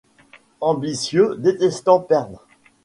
Ambitieux, détestant perdre.